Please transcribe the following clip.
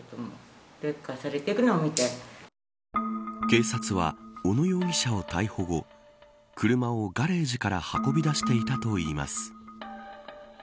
警察は、小野容疑者を逮捕後車を、ガレージから運び出していたといいます。